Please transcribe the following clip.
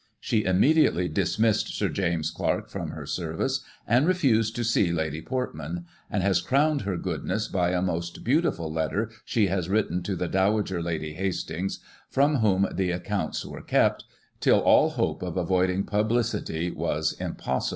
' She immediately dismissed Sir James Clark from her service, and refused to see Lady Portman'; and has crowned her goodness by a most beau tiful letter she has written to the Dowager Lady Hastings, from whom the accounts were kept, till all hope of avoiding publicity was impossible."